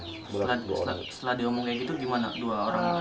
setelah diomong kayak gitu gimana dua orang